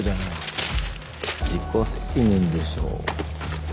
自己責任でしょう。